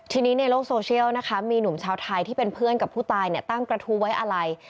ทีนี้ในโลกโซเชียลนะคะมีหนุ่มชาวไทยที่เป็นเพื่อนกับผู้ตายตั้งกระทู้ไว้อะไร